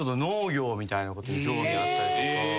みたいなことに興味があったりとか。